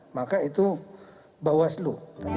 maka itu bawah selu